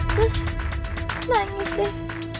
terus nangis deh